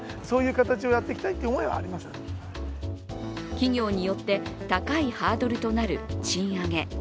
企業によって高いハードルとなる賃上げ。